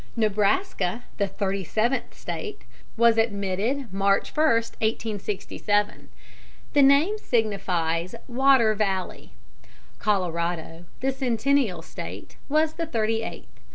Nebraska, the thirty seventh State, was admitted March 1, 1867. The name signifies "Water Valley." Colorado, the Centennial State, was the thirty eighth.